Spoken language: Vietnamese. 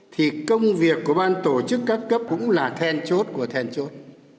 thì công việc của ban tổ chức các cấp cũng là then chốt của thèn chốt